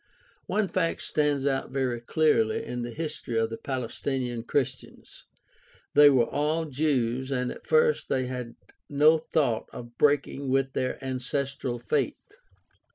— One fact stands out very clearly in the history of the Palestinian Christians. They were all Jews and at first they had no thought of breaking with their ancestral faith.